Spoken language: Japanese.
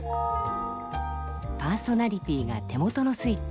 パーソナリティーが手元のスイッチ